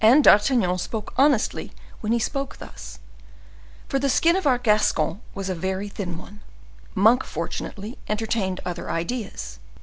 And D'Artagnan spoke honestly when he spoke thus; for the skin of our Gascon was a very thin one. Monk, fortunately, entertained other ideas.